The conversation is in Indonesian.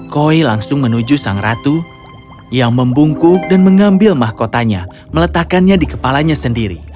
koi langsung menuju sang ratu yang membungkuk dan mengambil mahkotanya meletakkannya di kepalanya sendiri